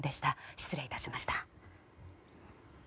失礼いたしました。